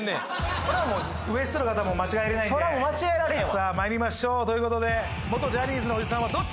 これはもうＷＥＳＴの方は間違えれないんでそら間違えられへんわさあまいりましょうということで元ジャニーズのおじさんはどっち？